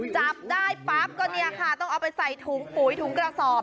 จับได้ปั๊บก็เนี่ยค่ะต้องเอาไปใส่ถุงปุ๋ยถุงกระสอบ